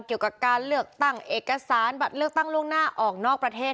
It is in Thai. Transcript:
เกี่ยวกับการเลือกตั้งเอกสารบัตรเลือกตั้งล่วงหน้าออกนอกประเทศ